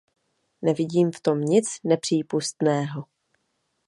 Nevidím v tom nic nepřípustného.